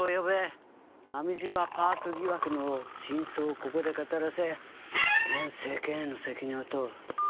波島パーク疑惑の真相をここで語らせ現政権への責任を問う。